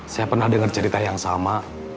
saya pernah dengar cerita yang sama